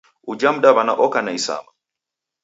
Uja mdaw'ana oka na isama.